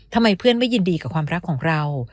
ทำไมเพื่อนไม่ยินดีกับความรักของเรา